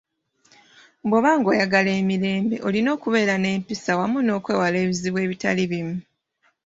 Bw'oba ng'oyagala emirembe, olina okubeera n'empisa wamu n'okwewala ebizibu ebitali bimu.